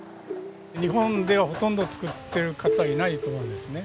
日本ではほとんど作ってる方いないと思うんですね。